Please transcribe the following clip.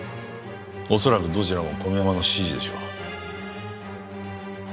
おそらくどちらも小宮山の指示でしょう。